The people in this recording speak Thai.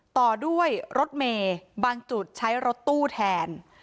ต่อด้วยรถเมย์บางจุดใช้รถตู้แทน